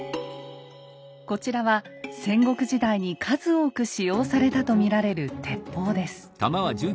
こちらは戦国時代に数多く使用されたと見られる鉄砲です。